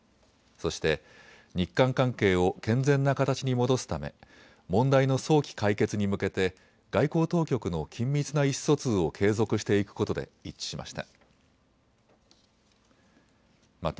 そして日韓関係を健全な形に戻すため問題の早期解決に向けて外交当局の緊密な意思疎通を継続していくことで一致しました。